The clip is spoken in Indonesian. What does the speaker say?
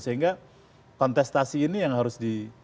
sehingga kontestasi ini yang harus di